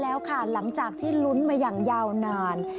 แล้วค่ะหลังจากที่ลุ้นมาอย่างยาวนาน